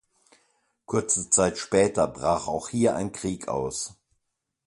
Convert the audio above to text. Kurze Zeit später brach auch hier ein Krieg aus.